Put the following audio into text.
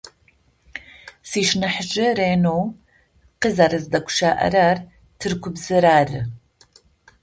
Сшынахьыжъ ренэу къызэрэздэгущыӏэрэр тыркубзэр ары.